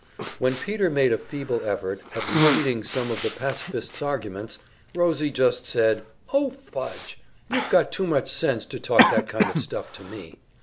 When Peter made a feeble effort at repeating some of the pacifists' arguments, Rosie just said, "Oh, fudge! You've got too much sense to talk that kind of stuff to me."